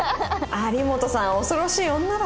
有本さん恐ろしい女だ。